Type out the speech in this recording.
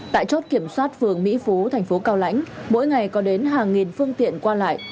tại chốt kiểm soát phường mỹ phú thành phố cao lãnh mỗi ngày có đến hàng nghìn phương tiện qua lại